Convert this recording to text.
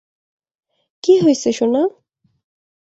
কি হইছে, সোনা?